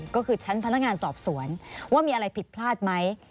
ก็คือชั้นพนักงานสอบสวนว่ามีอะไรผิดพลาดไหม